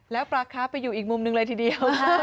แล้วปลาค้าไปอยู่อีกมุมหนึ่งเลยทีเดียว